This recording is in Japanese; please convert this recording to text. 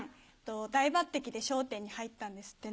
大抜てきで『笑点』に入ったんですってね。